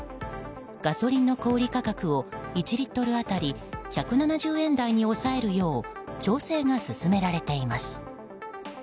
ガソリンの小売価格を１リットル当たり１７０円台に抑えるよう調整が進められています。